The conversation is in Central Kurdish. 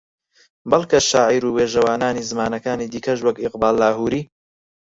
بەڵکە شاعیر و وێژەوانانی زمانەکانی دیکەش وەک ئیقباڵ لاھووری